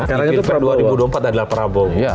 kepitifan dua ribu dua puluh empat adalah prabowo